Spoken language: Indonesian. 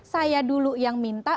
saya dulu yang minta